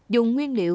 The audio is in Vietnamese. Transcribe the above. dùng nguyên liệu